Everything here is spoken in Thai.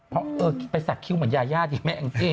เพราะเออไปสักคิ้วเหมือนยาดิแม่อังกฤษ